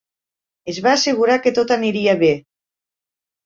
Es va assegurar que tot aniria bé.